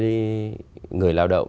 những cái người lao động